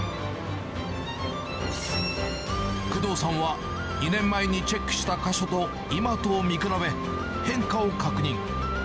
工藤さんは、２年前にチェックした箇所と今とを見比べ、変化を確認。